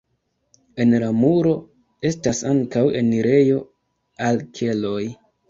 En la muro estas ankaŭ enirejo al keloj.